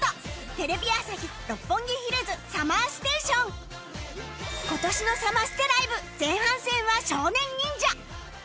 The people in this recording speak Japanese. テレビ朝日・六本木ヒルズ ＳＵＭＭＥＲＳＴＡＴＩＯＮ今年のサマステライブ前半戦は少年忍者